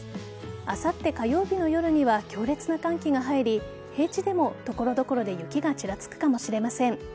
あさって火曜日の夜には強烈な寒気が入り平地でも所々で雪がちらつくかもしれません。